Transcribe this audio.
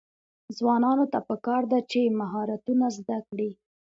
ځوانانو ته پکار ده چې، مهارتونه زده کړي.